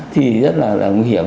thì rất là nguy hiểm